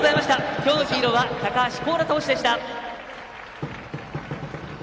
今日のヒーローは高橋光成投手でした。